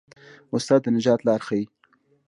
استاد د نجات لار ښيي.